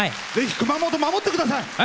ぜひ熊本守って下さい！